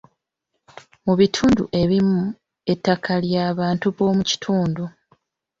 Mu bitundu ebimu, ettaka lya bantu b'omu kitundu.